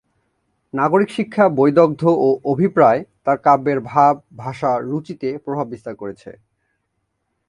নাগরিক শিক্ষা, বৈদগ্ধ্য ও অভিপ্রায় তাঁর কাব্যের ভাব-ভাষা-রুচিতে প্রভাব বিস্তার করেছে।